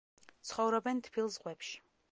ცხოვრობენ თბილ ზღვებში.